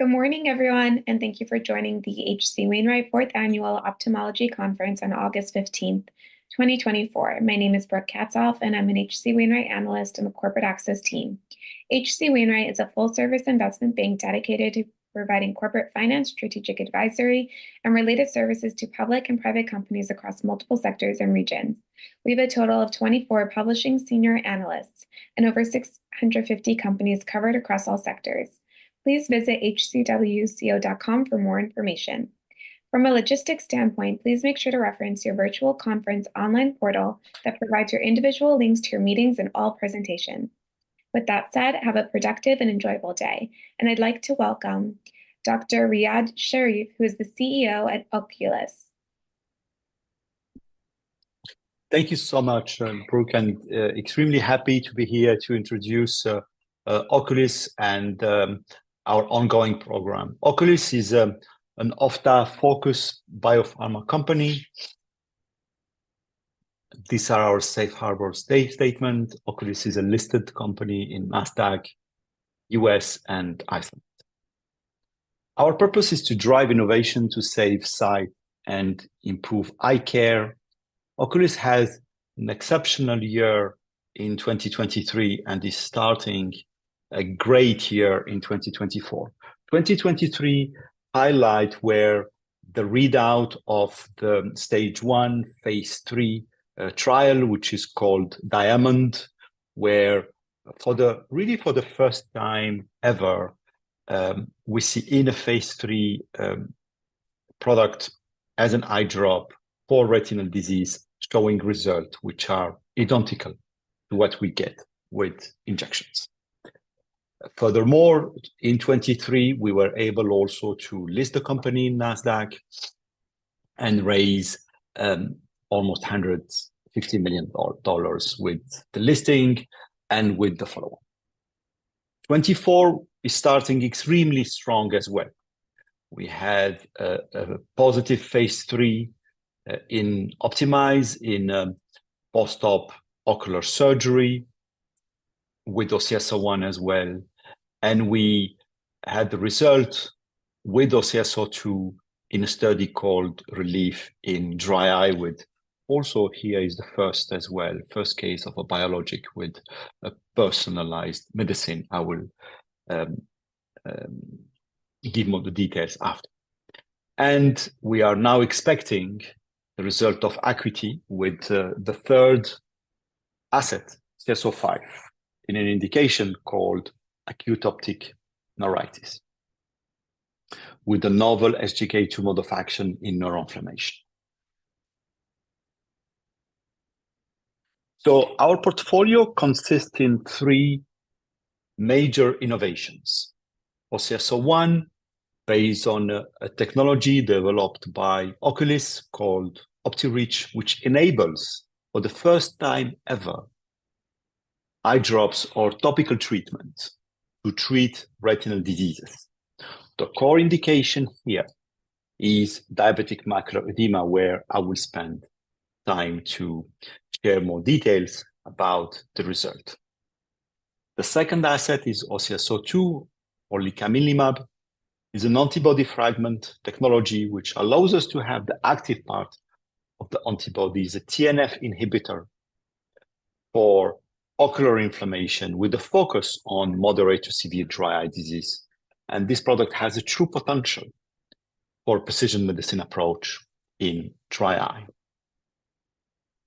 Good morning, everyone, and thank you for joining the H.C. Wainwright Fourth Annual Ophthalmology Conference on August 15, 2024. My name is Brooke Katsof, and I'm an H.C. Wainwright analyst on the Corporate Access Team. H.C. Wainwright is a full-service investment bank dedicated to providing corporate finance, strategic advisory, and related services to public and private companies across multiple sectors and regions. We have a total of 24 publishing senior analysts and over 650 companies covered across all sectors. Please visit hcwco.com for more information. From a logistics standpoint, please make sure to reference your virtual conference online portal that provides your individual links to your meetings and all presentations. With that said, have a productive and enjoyable day, and I'd like to welcome Dr. Riad Sherif, who is the CEO at Oculis. Thank you so much, Brooke, and extremely happy to be here to introduce Oculis and our ongoing program. Oculis is an ophthalmology-focused biopharma company. These are our safe harbor statement. Oculis is a listed company in Nasdaq, U.S., and Iceland. Our purpose is to drive innovation to save sight and improve eye care. Oculis had an exceptional year in 2023 and is starting a great year in 2024. 2023 highlight where the readout of the stage one, phase III trial, which is called DIAMOND, where really for the first time ever, we see in a phase III product as an eye drop for retinal disease, showing results which are identical to what we get with injections. Furthermore, in 2023, we were able also to list the company in Nasdaq and raise almost $150 million dollars with the listing and with the follow-up. 2024 is starting extremely strong as well. We had a positive phase III in OPTIMIZE in post-op ocular surgery with OCS-01 as well, and we had the result with OCS-02 in a study called RELIEF in dry eye. Also, here is the first as well, first case of a biologic with a personalized medicine. I will give more the details after. We are now expecting the result of ACUITY with the third asset, OCS-05, in an indication called acute optic neuritis, with the novel SGK2 mode of action in neuroinflammation. Our portfolio consists in three major innovations. OCS-01, based on a technology developed by Oculis called Optireach, which enables, for the first time ever, eye drops or topical treatments to treat retinal diseases. The core indication here is diabetic macular edema, where I will spend time to share more details about the result. The second asset is OCS-02, or licaminlimab, is an antibody fragment technology which allows us to have the active part of the antibody, is a TNF inhibitor for ocular inflammation, with a focus on moderate to severe dry eye disease. This product has a true potential for precision medicine approach in dry eye,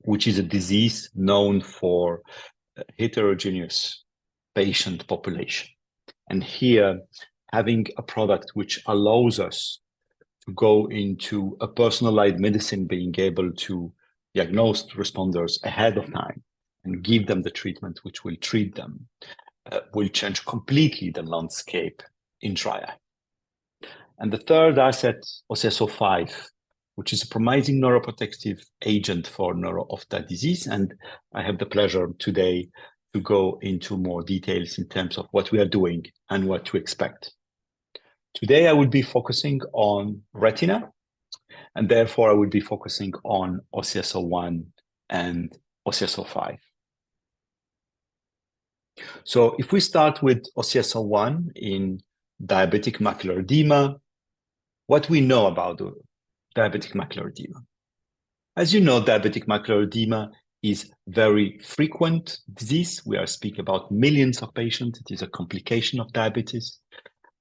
which is a disease known for heterogeneous patient population. Having a product which allows us to go into a personalized medicine, being able to diagnose responders ahead of time and give them the treatment which will treat them, will change completely the landscape in dry eye. The third asset, OCS-05, which is a promising neuroprotective agent for neuro-ophthalmology disease. I have the pleasure today to go into more details in terms of what we are doing and what to expect. Today, I will be focusing on retina, and therefore, I will be focusing on OCS-01 and OCS-05. So if we start with OCS-01 in diabetic macular edema, what we know about diabetic macular edema? As you know, diabetic macular edema is very frequent disease. We are speaking about millions of patients. It is a complication of diabetes.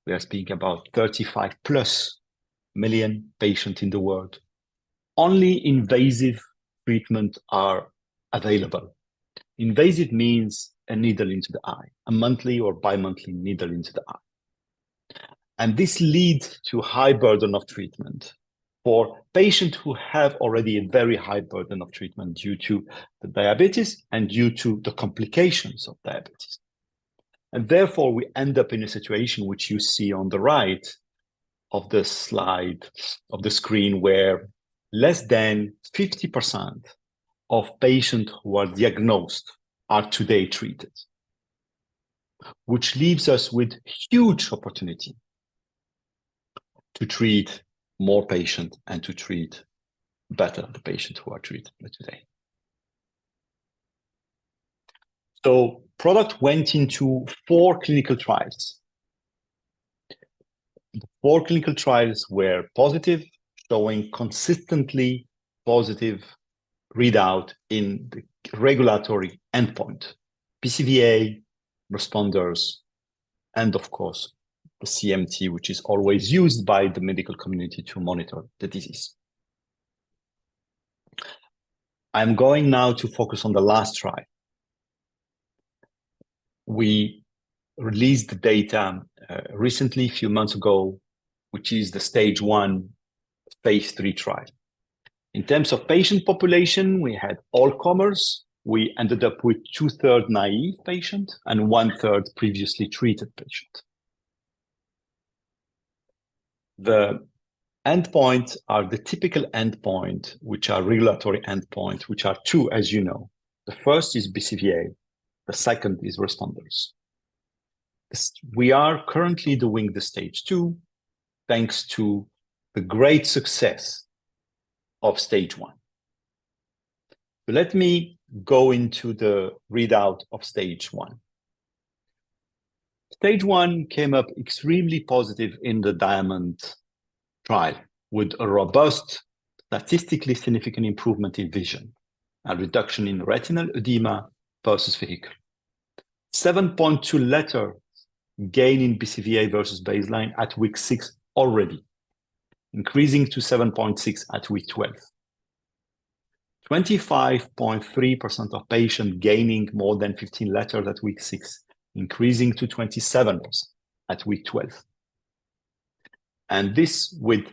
We are speaking about 35+ million patients in the world. Only invasive treatments are available. Invasive means a needle into the eye, a monthly or bimonthly needle into the eye. This leads to high burden of treatment for patients who have already a very high burden of treatment due to the diabetes and due to the complications of diabetes. Therefore, we end up in a situation which you see on the right of this slide on the screen, where less than 50% of patients who are diagnosed are today treated, which leaves us with huge opportunity to treat more patients and to treat better the patients who are treated today. Product went into four clinical trials. The four clinical trials were positive, showing consistently positive readout in the regulatory endpoint, BCVA responders, and of course, the CMT, which is always used by the medical community to monitor the disease. I'm going now to focus on the last trial. We released the data recently, a few months ago, which is the Stage one, phase III trial. In terms of patient population, we had all comers. We ended up with two-thirds naive patient and one-third previously treated patient. The endpoints are the typical endpoint, which are regulatory endpoints, which are two, as you know. The first is BCVA, the second is responders. We are currently doing the Stage two, thanks to the great success of Stage one. But let me go into the readout of Stage one. Stage one came up extremely positive in the DIAMOND trial, with a robust, statistically significant improvement in vision, a reduction in retinal edema versus vehicle. 7.2-letter gain in BCVA versus baseline at week six already, increasing to 7.6 at week 12. 25.3% of patient gaining more than 15 letters at week six, increasing to 27% at week 12. And this with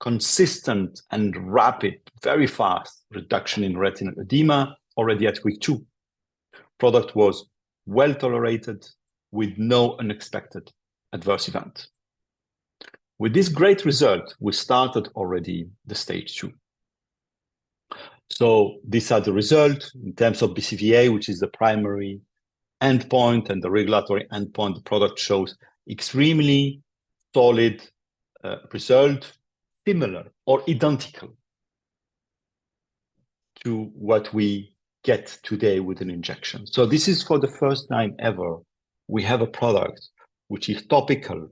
consistent and rapid, very fast reduction in retinal edema already at week two. Product was well-tolerated, with no unexpected adverse event. With this great result, we started already the stage two. So these are the result in terms of BCVA, which is the primary endpoint, and the regulatory endpoint. The product shows extremely solid result, similar or identical to what we get today with an injection. So this is for the first time ever, we have a product which is topical,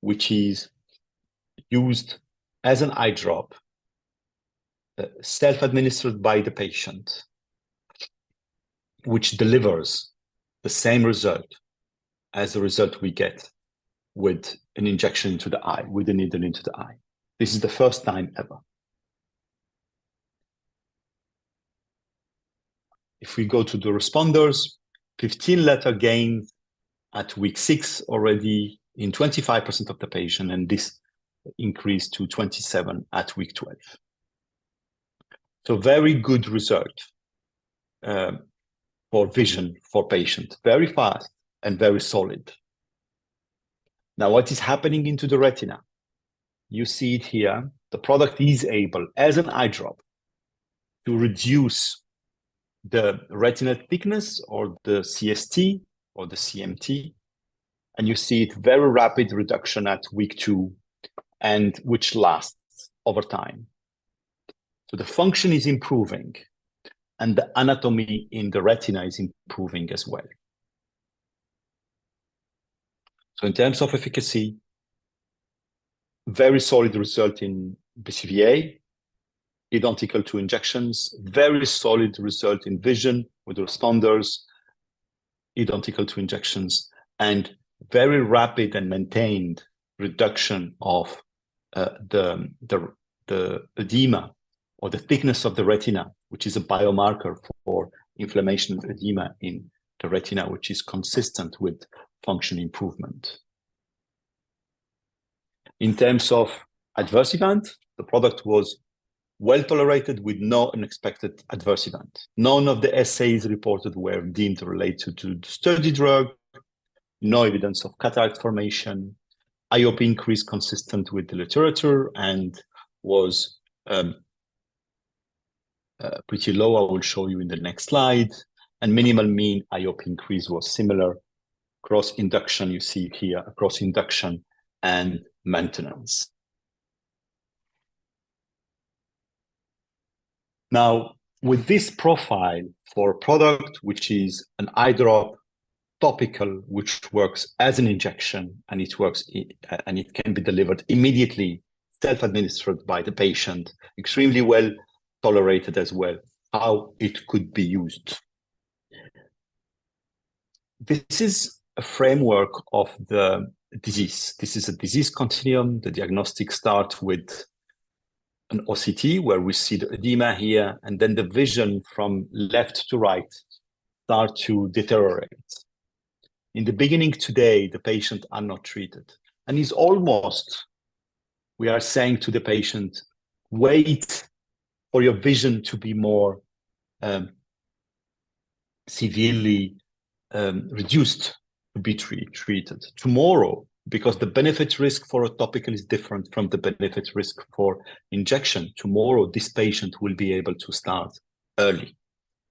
which is used as an eye drop, self-administered by the patient, which delivers the same result as the result we get with an injection to the eye, with a needle into the eye. This is the first time ever. If we go to the responders, 15-letter gain at week six already in 25% of the patient, and this increased to 27% at week 12. So very good result for vision for patient. Very fast and very solid. Now, what is happening into the retina? You see it here. The product is able, as an eye drop, to reduce the retinal thickness or the CST or the CMT, and you see it very rapid reduction at week two, and which lasts over time. So the function is improving, and the anatomy in the retina is improving as well. So in terms of efficacy, very solid result in BCVA, identical to injections, very solid result in vision with responders, identical to injections, and very rapid and maintained reduction of the edema or the thickness of the retina, which is a biomarker for inflammation of edema in the retina, which is consistent with function improvement. In terms of adverse event, the product was well-tolerated, with no unexpected adverse event. None of the AEs reported were deemed related to the study drug, no evidence of cataract formation, IOP increase consistent with the literature, and was pretty low. I will show you in the next slide. And minimal mean IOP increase was similar. Across induction, you see here, across induction and maintenance. Now, with this profile for a product, which is an eye drop, topical, which works as an injection, and it works, and it can be delivered immediately, self-administered by the patient, extremely well-tolerated as well, how it could be used? This is a framework of the disease. This is a disease continuum. The diagnostic start with an OCT, where we see the edema here, and then the vision from left to right start to deteriorate. In the beginning, today, the patient are not treated, and it's almost we are saying to the patient, "Wait for your vision to be more severely reduced to be treated." Tomorrow, because the benefit-risk for a topical is different from the benefit-risk for injection, tomorrow, this patient will be able to start early.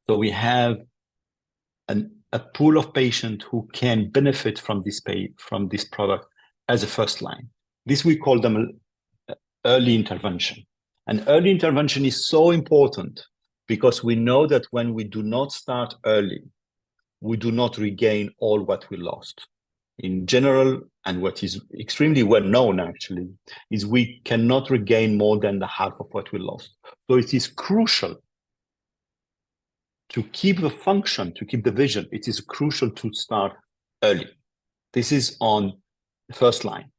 So we have a pool of patient who can benefit from this from this product as a first line. This we call them early intervention. Early intervention is so important because we know that when we do not start early, we do not regain all what we lost. In general, and what is extremely well known actually, is we cannot regain more than the half of what we lost. So it is crucial to keep the function, to keep the vision, it is crucial to start early. This is on the first line.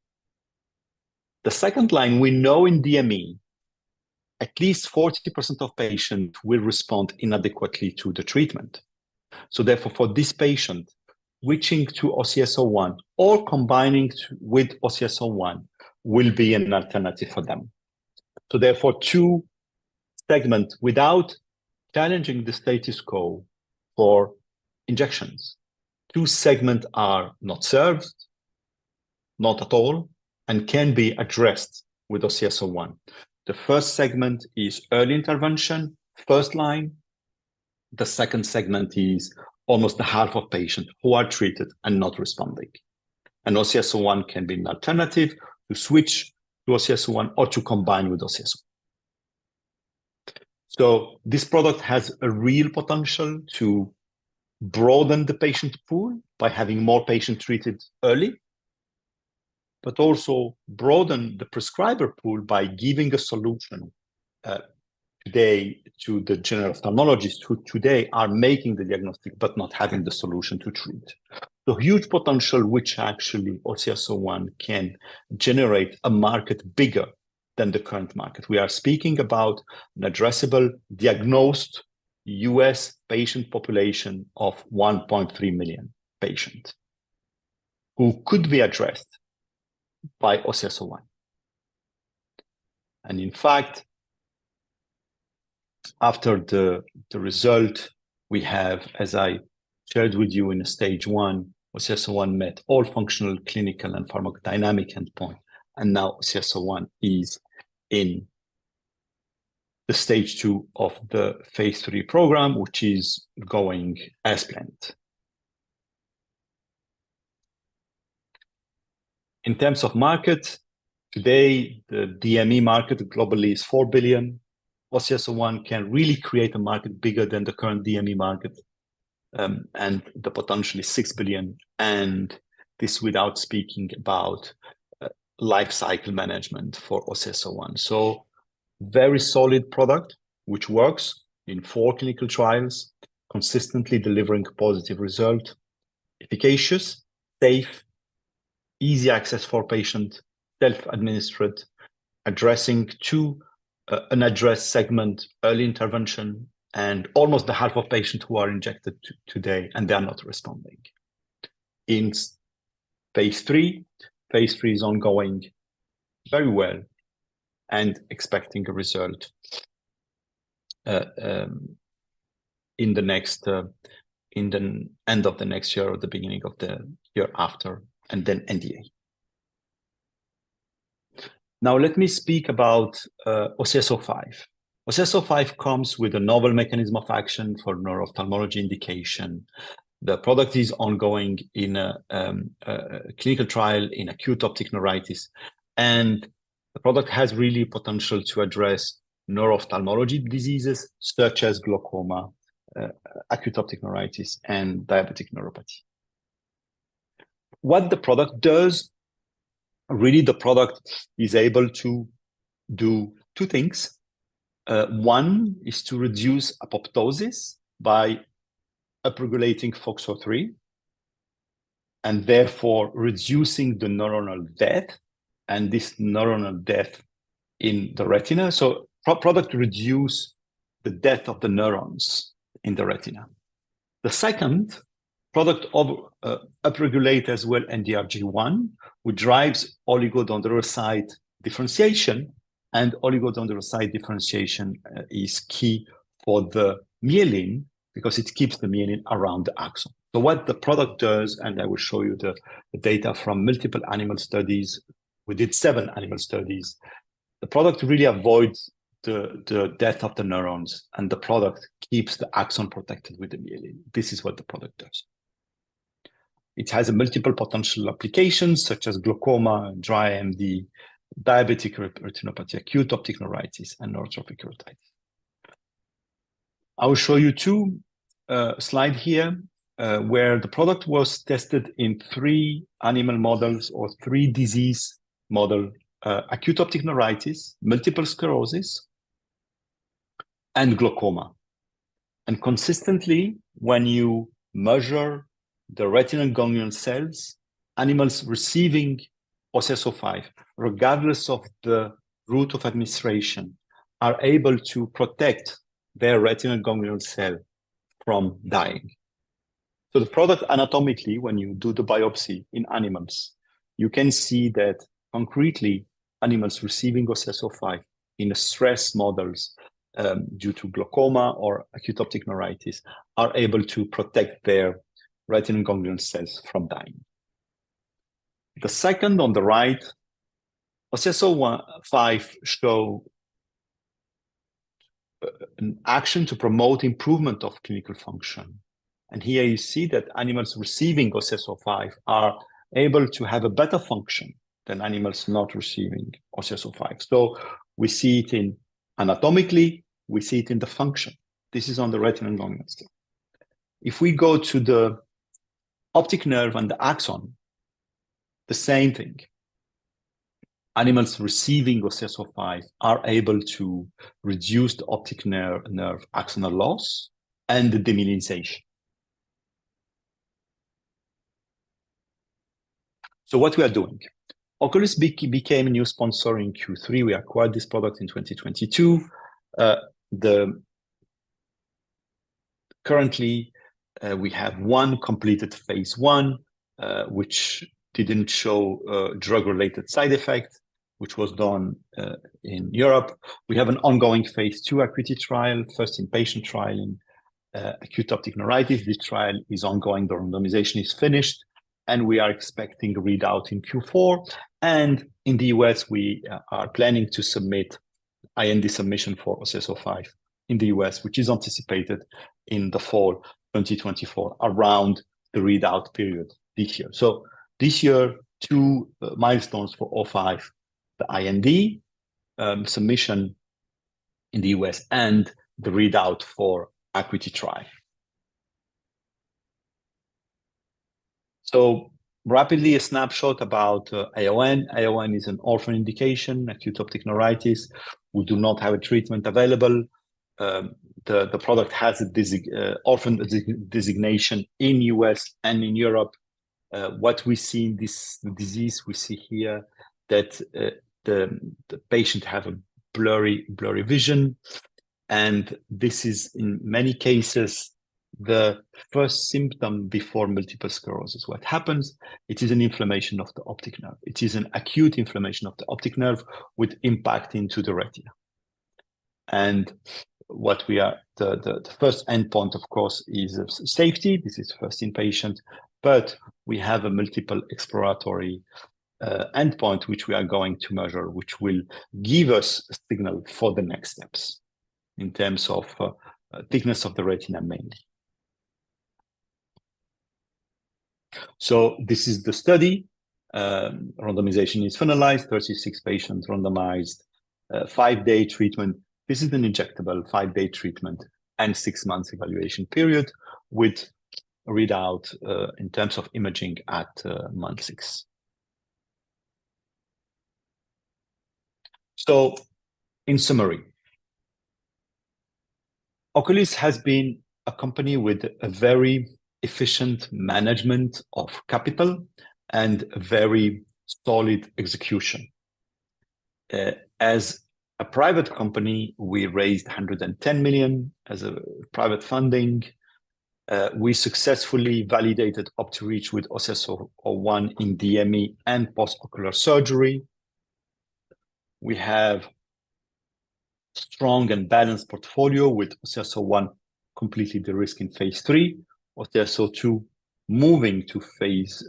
The second line, we know in DME, at least 40% of patients will respond inadequately to the treatment. So therefore, for this patient, switching to OCS-01 or combining with OCS-01 will be an alternative for them. So therefore, two segments without challenging the status quo for injections. Two segments are not served, not at all, and can be addressed with OCS-01. The first segment is early intervention, first line. The second segment is almost the half of patients who are treated and not responding. And OCS-01 can be an alternative to switch to OCS-01 or to combine with OCS-01. So this product has a real potential to broaden the patient pool by having more patients treated early, but also broaden the prescriber pool by giving a solution, today to the general ophthalmologist who today are making the diagnosis but not having the solution to treat. So huge potential, which actually OCS-01 can generate a market bigger than the current market. We are speaking about an addressable, diagnosed U.S. patient population of 1.3 million patients who could be addressed by OCS-01. In fact, after the result we have, as I shared with you in Stage one, OCS-01 met all functional, clinical, and pharmacodynamic endpoint, and now OCS-01 is in the Stage two of the phase III program, which is going as planned. In terms of market, today, the DME market globally is $4 billion. OCS-01 can really create a market bigger than the current DME market, and the potential is $6 billion, and this without speaking about life cycle management for OCS-01. So very solid product, which works in 4 clinical trials, consistently delivering positive result, efficacious, safe, easy access for patient, self-administered, addressing two unaddressed segment, early intervention, and almost the half of patients who are injected today and they are not responding. In phase III, phase III is ongoing very well and expecting a result in the end of the next year or the beginning of the year after, and then NDA. Now, let me speak about OCS-05. OCS-05 comes with a novel mechanism of action for neuro-ophthalmology indication. The product is ongoing in a clinical trial in acute optic neuritis, and the product has really potential to address neuro-ophthalmology diseases such as glaucoma, acute optic neuritis, and diabetic neuropathy. What the product does. Really, the product is able to do two things. One is to reduce apoptosis by upregulating FOXO3, and therefore reducing the neuronal death, and this neuronal death in the retina. So the product reduces the death of the neurons in the retina. The second product of upregulate as well NDRG1, which drives oligodendrocyte differentiation, and oligodendrocyte differentiation is key for the myelin, because it keeps the myelin around the axon. So what the product does, and I will show you the data from multiple animal studies. We did seven animal studies. The product really avoids the death of the neurons, and the product keeps the axon protected with the myelin. This is what the product does. It has multiple potential applications, such as glaucoma, dry AMD, diabetic retinopathy, Acute Optic Neuritis, and neurotrophic keratitis. I will show you two slide here, where the product was tested in three animal models or three disease model: acute optic neuritis, multiple sclerosis, and glaucoma. Consistently, when you measure the retinal ganglion cells, animals receiving OCS-05, regardless of the route of administration, are able to protect their retinal ganglion cell from dying. So the product, anatomically, when you do the biopsy in animals, you can see that concretely, animals receiving OCS-05 in stress models, due to glaucoma or acute optic neuritis, are able to protect their retinal ganglion cells from dying. The second on the right, OCS-05 shows an action to promote improvement of clinical function. And here you see that animals receiving OCS-05 are able to have a better function than animals not receiving OCS-05. So we see it anatomically, we see it in the function. This is on the retina and ganglion cell. If we go to the optic nerve and the axon, the same thing. Animals receiving OCS-05 are able to reduce the optic nerve, nerve axonal loss and the demyelination. So what we are doing? Oculis became a new sponsor in Q3. We acquired this product in 2022. Currently, we have one completed phase one, which didn't show drug-related side effects, which was done in Europe. We have an ongoing phase II ACUITY trial, first in-patient trial in acute optic neuritis. This trial is ongoing, the randomization is finished, and we are expecting a readout in Q4. And in the U.S., we are planning to submit IND submission for OCS-05 in the US, which is anticipated in the fall 2024, around the readout period this year. So this year, two milestones for OCS-05: the IND submission in the U.S. and the readout for ACUITY trial. So rapidly, a snapshot about AON. AON is an orphan indication, Acute Optic Neuritis. We do not have a treatment available. The product has an orphan designation in the U.S. and in Europe. What we see in this disease, we see here that the patient have a blurry, blurry vision, and this is, in many cases, the first symptom before Multiple Sclerosis. What happens? It is an inflammation of the optic nerve. It is an acute inflammation of the optic nerve with impact into the retina. And what we are the first endpoint, of course, is safety. This is first in-patient, but we have a multiple exploratory endpoint, which we are going to measure, which will give us a signal for the next steps in terms of thickness of the retina mainly. So this is the study. Randomization is finalized, 36 patients randomized, five-day treatment. This is an injectable five-day treatment and six months evaluation period with a readout, in terms of imaging at, month six. So in summary, Oculis has been a company with a very efficient management of capital and very solid execution. As a private company, we raised $110 million as a private funding. We successfully validated Optireach with OCS-01 in DME and post-ocular surgery. We have strong and balanced portfolio with OCS-01, completing the risk in phase III, OCS-02, moving to phase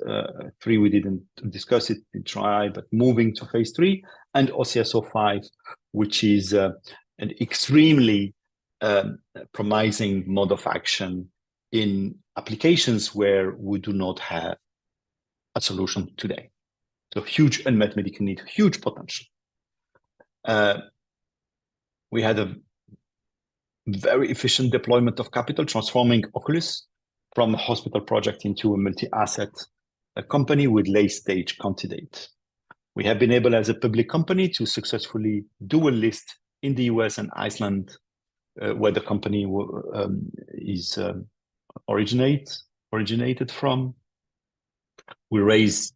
III. We didn't discuss it in trial, but moving to phase III. And OCS-05, which is, an extremely, promising mode of action in applications where we do not have a solution today. So huge unmet medical need, huge potential. We had a very efficient deployment of capital, transforming Oculis from a hospital project into a multi-asset, a company with late-stage candidates. We have been able, as a public company, to successfully do a listing in the U.S. and Iceland, where the company originated from. We raised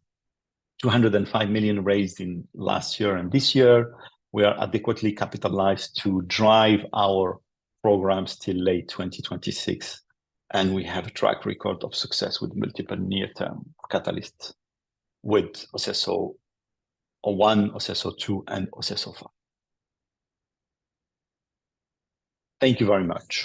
$205 million raised in last year and this year. We are adequately capitalized to drive our programs till late 2026, and we have a track record of success with multiple near-term catalysts with OCS-01, OCS-02, and OCS-05. Thank you very much!